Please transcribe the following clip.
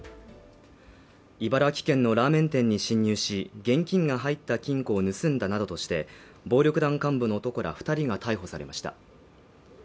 茨城県のラーメン店に侵入し現金が入った金庫を盗んだなどとして暴力団幹部の男ら二人が逮捕されました